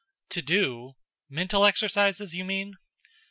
"To do? Mental exercises, you mean?"